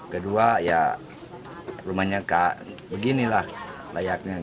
kedua ya rumahnya beginilah layaknya